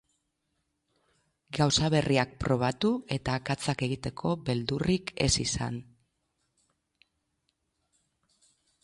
Gauza berriak probatu, eta akatsak egiteko beldurrik ez izan.